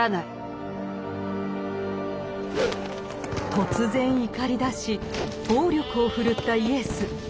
突然怒りだし暴力を振るったイエス。